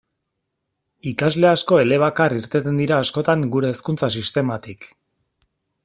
Ikasle asko elebakar irteten dira askotan gure hezkuntza sistematik.